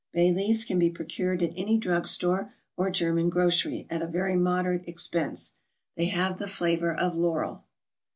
Bay leaves can be procured at any drug store, or German grocery, at a very moderate expense; they have the flavor of laurel.